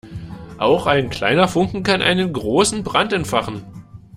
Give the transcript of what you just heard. Auch ein kleiner Funken kann einen großen Brand entfachen.